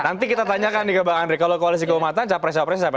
nanti kita tanyakan juga pak andri kalau koalisi keumatan capres capres siapa